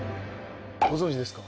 ご存じですか？